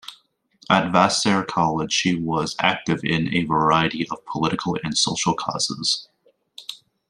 At Vassar College, she was active in a variety of political and social causes.